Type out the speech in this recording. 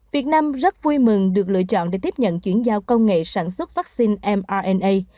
việt nam rất vui mừng được lựa chọn để tiếp nhận chuyển giao công nghệ sản xuất vaccine mrna